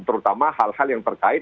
terutama hal hal yang terkait